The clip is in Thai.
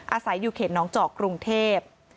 อาศัยอยู่เขตน้องเจาะกรุงเทพ